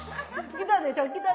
きたでしょ？